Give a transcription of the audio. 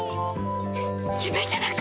夢じゃなか！